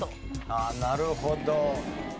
ああなるほど。